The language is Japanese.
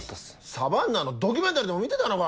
サバンナのドキュメンタリーでも見てたのか！